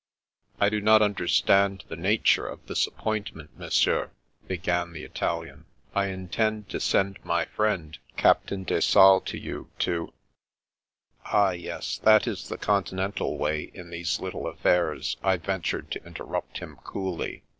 " I do not understand the nature of this appoint ment, Monsieur," b^;an the Italian. "I intended to send my friend Captain de Sales to you to " "Ah, yes, that is the Continental way in these little affairs," I ventured to interrupt him coolly.